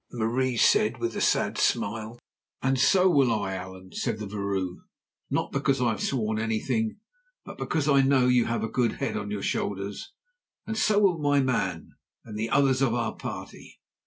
Marie said with a sad smile. "And so will I, Allan," said the vrouw; "not because I have sworn anything, but because I know you have a good head on your shoulders, and so will my man and the others of our party.